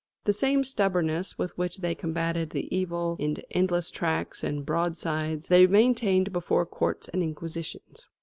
The same stubbornness with which they combated the evil in endless tracts and broadsides they maintained before courts and inquisitions.